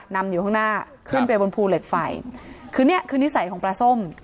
นำอยู่ข้างหน้าขึ้นไปบนภูเหล็กไฟคือเนี้ยคือนิสัยของปลาส้ม